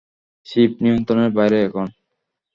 Sheep নিয়ন্ত্রনের বাইরে এখন।